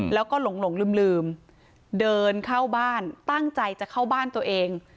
แล้วก็หลงลืมเดินเข้าบ้านตั้งใจจะเข้าบ้านตัวเอง